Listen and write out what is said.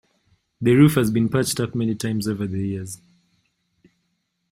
The roof has been patched up many times over the years.